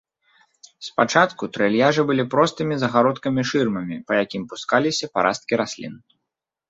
Спачатку трэльяжы былі простымі загародкамі-шырмамі, па якім пускаліся парасткі раслін.